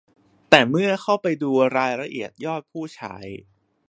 แต่เมื่อเข้าไปดูรายละเอียดยอดผู้ใช้